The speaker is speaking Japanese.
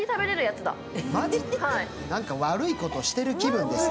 なんか悪いことしてる気分です。